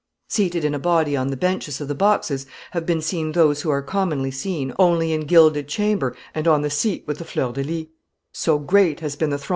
Seated in a body on the benches of the boxes have been seen those who are commonly seen only in gilded chamber and on the seat with the fleurs de lis.